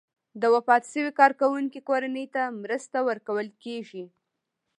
د وفات شوي کارکوونکي کورنۍ ته مرسته ورکول کیږي.